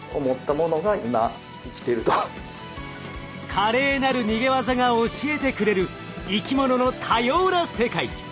華麗なる逃げ技が教えてくれる生き物の多様な世界。